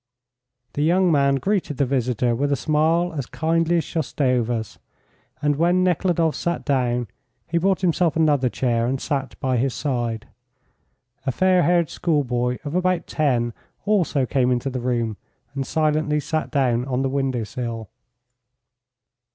The young man greeted the visitor with a smile as kindly as Shoustova's, and when Nekhludoff sat down he brought himself another chair, and sat by his side. A fair haired schoolboy of about 10 also came into the room and silently sat down on the window sill.